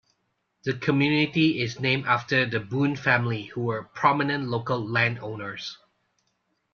The community is named after the Boone family, who were prominent local landowners.